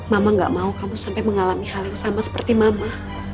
mama gak mau kamu sampai mengalami hal yang sama seperti mama